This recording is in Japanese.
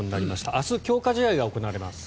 明日、強化試合が行われます。